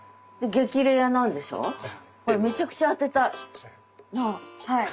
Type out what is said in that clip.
これめちゃくちゃ当てたい。